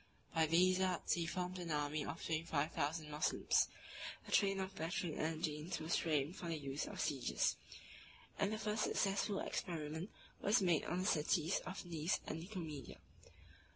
412 By these arts he formed an army of twenty five thousand Moslems: a train of battering engines was framed for the use of sieges; and the first successful experiment was made on the cities of Nice and Nicomedia.